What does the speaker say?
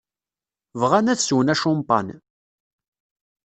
Bɣan ad swen acampan.